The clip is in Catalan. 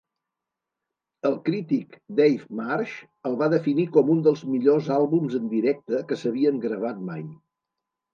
El crític Dave Marsh el va definir com un dels millors àlbums en directe que s'havien gravat mai.